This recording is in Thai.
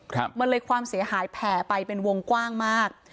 ครับมันเลยความเสียหายแผ่ไปเป็นวงกว้างมาก